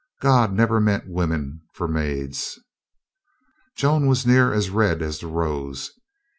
"God never meant women for maids." Joan was near as red as the rose.